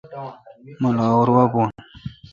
مہ لاہور وا بھون۔